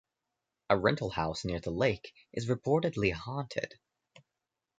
A rental house near the lake is reportedly haunted.